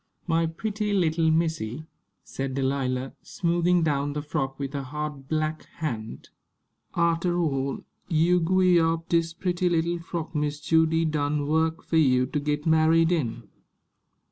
"My pretty little missy," said Delilah, smoothing down the frock with her hard black hand. "Arter all, you gwi' w'yar dis pretty little frock Miss Judy done wuk for you to git married in."